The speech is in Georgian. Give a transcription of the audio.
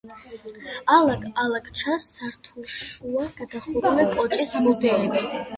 ალაგ-ალაგ ჩანს სართულშუა გადახურვის კოჭის ბუდეები.